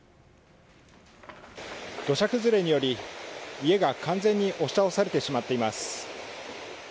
土砂崩れにより家が完全に押し倒されてしまっています。